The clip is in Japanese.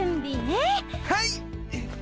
はい！